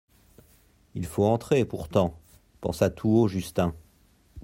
Il faut entrer, pourtant ! pensa tout haut Justin.